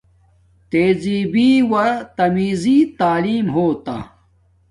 تہزبی و تمیزی تعیلم ہوتا